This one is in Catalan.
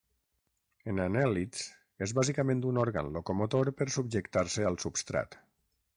En anèl·lids, és bàsicament un òrgan locomotor per subjectar-se al substrat.